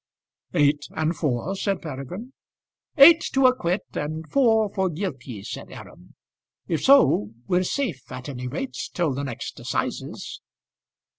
"Eight and four!" said Peregrine. "Eight to acquit, and four for guilty," said Aram. "If so, we're safe, at any rate, till the next assizes."